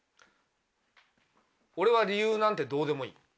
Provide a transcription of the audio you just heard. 俺は理由なんてどうでもいい。